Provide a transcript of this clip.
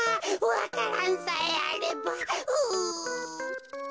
わか蘭さえあればううっ。